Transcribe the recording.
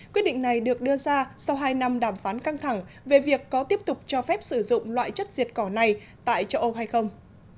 quyết định này được đưa ra sau hai năm đàm phán căng thẳng về việc có tiếp tục cho phép sử dụng loại chất diệt cỏ này tại châu âu hay không